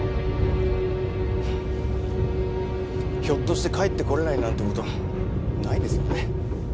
ひょっとして帰ってこれないなんて事ないですよね？